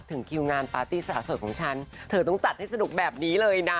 ถึงคิวงานปาร์ตี้สาวสดของฉันเธอต้องจัดให้สนุกแบบนี้เลยนะ